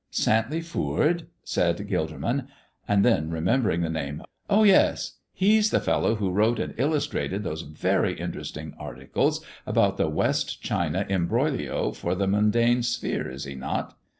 "Santley Foord?" said Gilderman. And then, remembering the name: "Oh yes; he's the fellow who wrote and illustrated those very interesting articles about the West China imbroglio for the Mundane Sphere, is he not?"